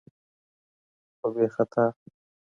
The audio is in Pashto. خو بې خطا